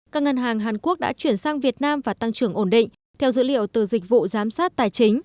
các ngân hàng hàn quốc đã chuyển sang việt nam và tăng trưởng ổn định theo dữ liệu từ dịch vụ giám sát tài chính